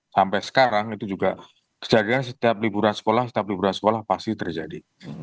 sampai sekarang itu juga kejagaan setiap liburan sekolah setiap liburan sekolah pasti terjadi